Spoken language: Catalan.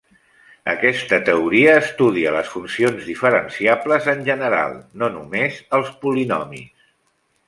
Aquesta teoria estudia les funcions diferenciables en general, no només els polinomis.